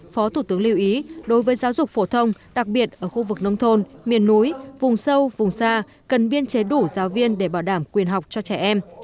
phó thủ tướng lưu ý đối với giáo dục phổ thông đặc biệt ở khu vực nông thôn miền núi vùng sâu vùng xa cần biên chế đủ giáo viên để bảo đảm quyền học cho trẻ em